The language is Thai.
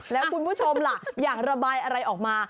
แล้วคุณผู้ชมล่ะอยากระบายอะไรออกมา